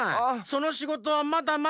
そのしごとはまだまだ。